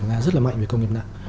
nga rất là mạnh về công nghiệp nặng